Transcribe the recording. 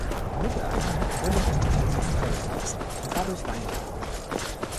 Im Mittelalter wurde der Stadtteil fast völlig verlassen und war durch Weingärten bestimmt.